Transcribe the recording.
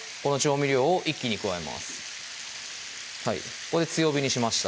ここで強火にしました